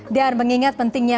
dan mengingat pentingnya